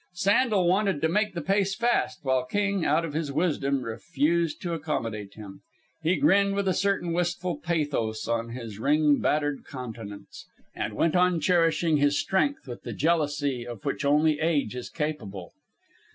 Sandel wanted to make the pace fast, while King, out of his wisdom, refused to accommodate him. He grinned with a certain wistful pathos in his ring battered countenance, and went on cherishing his strength with the jealousy of which only Age is capable.